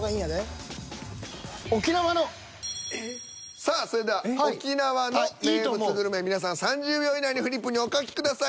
さあそれでは「沖縄の名物グルメ」皆さん３０秒以内にフリップにお書きください。